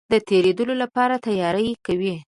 د تېرېدلو لپاره تیاری کوي.